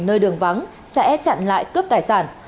nơi đường vắng sẽ chặn lại cướp tài sản